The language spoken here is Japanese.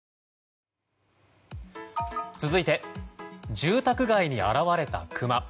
続いて住宅街に現れたクマ。